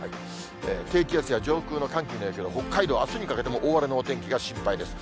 低気圧や上空の寒気の影響で、北海道、あすにかけても大荒れのお天気が心配です。